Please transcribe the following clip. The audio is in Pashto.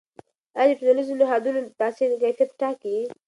آیا د ټولنیزو نهادونو تاثیر کیفیت ټاکي؟